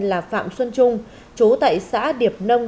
là phạm xuân trung chú tại xã điệp nông